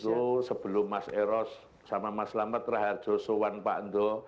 itu sebelum mas eros sama mas lama terhadap joshua pak ando